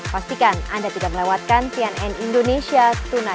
pastikan anda tidak melewatkan cnn indonesia tonight